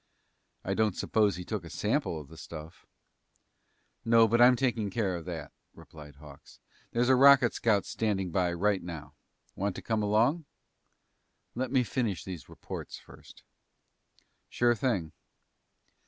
"I don't suppose he took a sample of the stuff?" "No. But I'm taking care of that," replied Hawks. "There's a rocket scout standing by right now. Want to come along?" "Let me finish these reports first." "Sure thing."